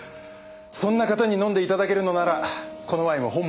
そんな方に飲んで頂けるのならこのワインも本望でしょう。